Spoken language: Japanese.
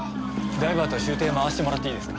ダイバーと舟艇回してもらっていいですか。